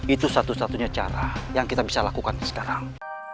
itu satu satunya cara yang kita bisa lakukan sekarang